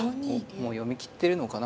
おっもう読み切ってるのかな